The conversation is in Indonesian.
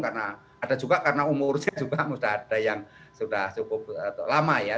karena ada juga karena umurnya juga sudah ada yang sudah cukup lama ya